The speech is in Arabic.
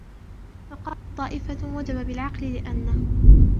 فَقَالَتْ طَائِفَةٌ وَجَبَ بِالْعَقْلِ ؛ لِأَنَّهُ